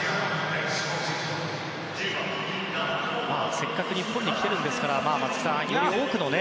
せっかく日本に来てるんですから松木さん、より多くのね。